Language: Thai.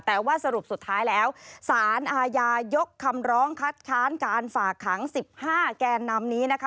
แต่ว่าสรุปสุดท้ายแล้วสารอาญายกคำร้องคัดค้านการฝากขัง๑๕แกนนำนี้นะคะ